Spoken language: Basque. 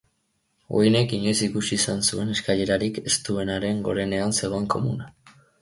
Waynek inoiz ikusi izan zuen eskailerarik estuenaren gorenean zegoen komuna.